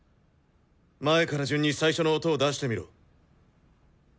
前から順に最初の音を出してみろ。